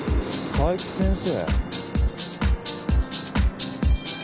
佐伯先生。